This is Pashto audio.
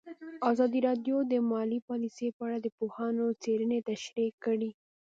ازادي راډیو د مالي پالیسي په اړه د پوهانو څېړنې تشریح کړې.